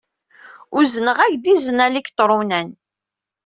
Uzneɣ-ak-d izen aliktṛunan.